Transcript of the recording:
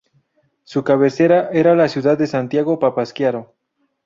Su cabecera era la ciudad de Santiago Papasquiaro.